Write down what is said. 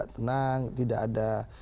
tenang tidak ada